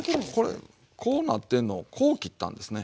これこうなってんのをこう切ったんですね。